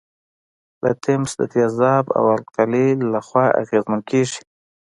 لتمس د تیزاب او القلي له خوا اغیزمن کیږي.